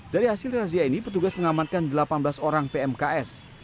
dari hasil razia ini petugas mengamankan delapan belas orang pmks